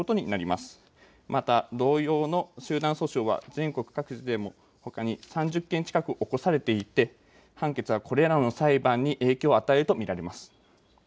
また同様の集団訴訟は全国各地でほかに３０件近く起こされていて判決はこれらの裁判に影響を与えると見られます。